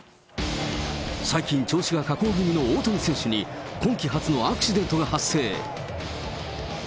最近調子が下降気味の大谷選手に、今季初のアクシデントが発生。